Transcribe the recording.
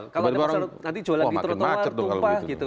kalau ada pasar turi nanti jualan di terutawar tumpah